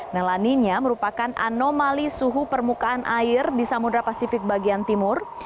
nah laninya merupakan anomali suhu permukaan air di samudera pasifik bagian timur